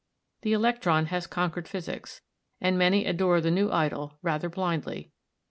The electron has conquered physics, and many adore the new idol rather blindly.